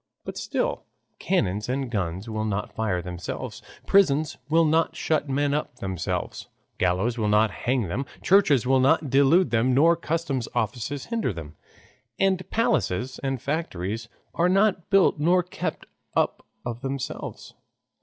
But still cannons and guns will not fire themselves, prisons will not shut men up of themselves, gallows will not hang them, churches will not delude them, nor customs offices hinder them, and palaces and factories are not built nor kept up of themselves.